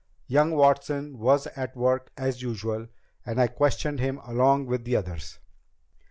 Young Watson was at work as usual and I questioned him along with the others.